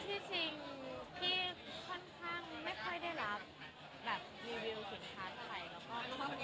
ที่จริงพี่ค่อนข้างไม่ค่อยได้รับรีวิวสินค้าอะไร